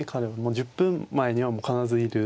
１０分前には必ずいる。